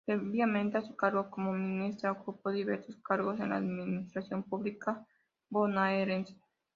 Previamente a su cargo como ministra, ocupó diversos cargos en la administración pública bonaerense.